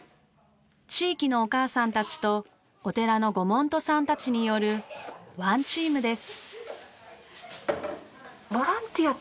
地域のお母さんたちとお寺のご門徒さんたちによるワンチームです。